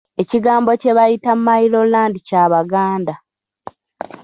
Ekigambo kye bayita Mailo land kya Baganda.